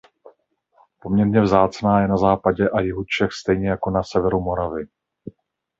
Poměrně vzácná je na západě a jihu Čech stejně jako na severu Moravy.